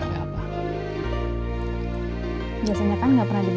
tapi kalau takdirnya ternyata dia jodoh saya